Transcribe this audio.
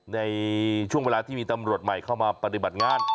ในช่วงเวลาที่มีตำรวจใหม่เข้ามาปฏิบัติงาน